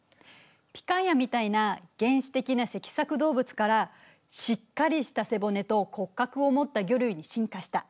ピカイアみたいな原始的な脊索動物からしっかりした背骨と骨格を持った魚類に進化した。